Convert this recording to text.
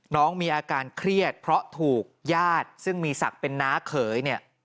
น้องมีอาการเครียดเพราะถูกญาติซึ่งมีศักดิ์เป็นน้าเขยเนี่ย